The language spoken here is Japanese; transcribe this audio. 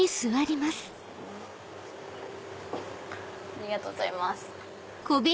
ありがとうございます。